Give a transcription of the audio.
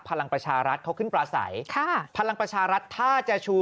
พลังประชารัฐเขาขึ้นปลาใสค่ะพลังประชารัฐถ้าจะชู